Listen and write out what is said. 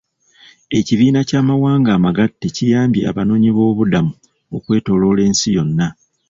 Ekibiina ky'amawanga amagatte kiyambye abanoonyiboobubudamu okwetooloola ensi yonna.